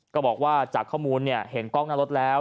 ก็บอกว่าจากข้อมูลเห็นกล้องหน้ารถแล้ว